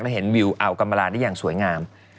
เห็นวิวอัลกรรมลาได้อย่างสวยงาม